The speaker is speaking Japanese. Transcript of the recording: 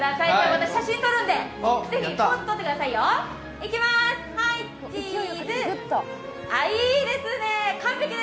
私、写真撮るので、ポーズ取ってくださいよ。